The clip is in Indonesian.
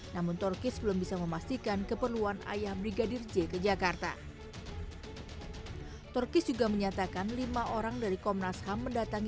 namun torkis belum bisa memastikan